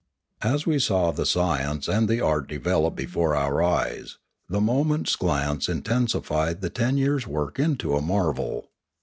As we saw the science and the art develop before our eyes, the moment's glance intensified the ten years' work into a marvel.